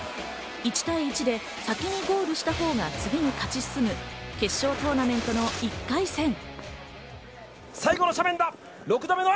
１対１で先にゴールしたほうが次に勝ち進む決勝トーナメントの１回戦。